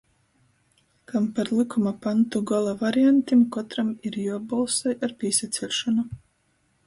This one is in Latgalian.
Kam par lykuma pantu gola variantim kotram ir juobolsoj ar pīsaceļšonu.